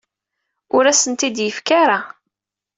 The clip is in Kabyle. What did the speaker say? Ur as-tent-id-yefki ara.